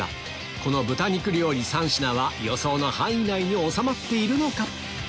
この豚肉料理３品は予想の範囲内に収まっているのか？